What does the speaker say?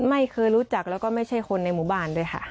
ไม่เคยรู้จักแล้วก็ไม่ใช่คนในหมู่บ้านด้วยค่ะ